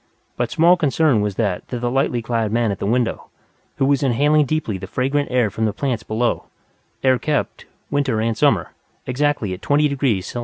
But small concern was that to the lightly clad man at the window, who was inhaling deeply the fragrant air from the plants below air kept, winter and summer, exactly at 20° C.